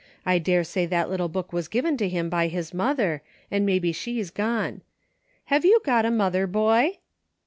I dare say that little book was given to him by his mother, and maybe she's gone. Have you got a mother, boy